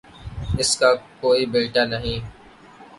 اس کا کوئی بیٹا نہیں